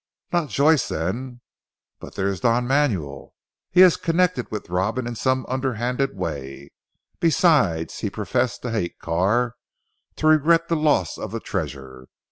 Not Joyce then, but there is Don Manuel, he is connected with Robin in some underhand way. Besides, he professed to hate Carr, to regret the loss of the treasure.